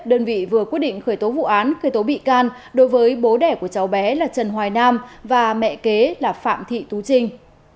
đơn vị vừa quyết định khởi tố vụ án khởi tố bị can đối với bố đẻ của cháu bé là trần hoài nam và mẹ kế là phạm thị tú trinh